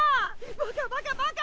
バカバカバカ！